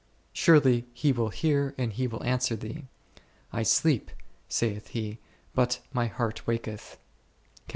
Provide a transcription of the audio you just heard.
Surely He will hear and He will answer thee ;/ sleep, saith He, but My heart icaketh d .